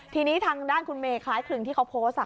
ทีนี้ทางด้านคุณเมย์คล้ายคลึงที่เขาโพสต์